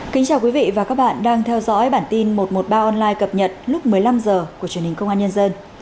kính chào quý vị và các bạn đang theo dõi bản tin một trăm một mươi ba online cập nhật lúc một mươi năm h của truyền hình công an nhân dân